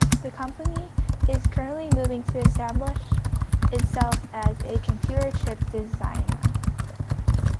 The company is currently moving to establish itself as a computer chip designer.